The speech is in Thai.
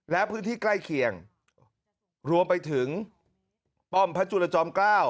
และพื้นที่ใกล้เคียงรวมไปถึงป้อมพระจุลจอมเกล้า